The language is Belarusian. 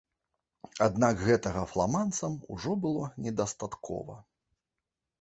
Аднак гэтага фламандцам было ўжо не дастаткова.